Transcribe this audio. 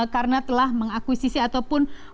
karena telah mengakuisisi ataupun menguasai rate sharing